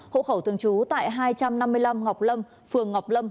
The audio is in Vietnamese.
hộ khẩu thường trú tại hai trăm năm mươi năm ngọc lâm